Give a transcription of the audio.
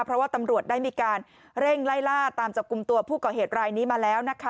เพราะว่าตำรวจได้มีการเร่งไล่ล่าตามจับกลุ่มตัวผู้ก่อเหตุรายนี้มาแล้วนะคะ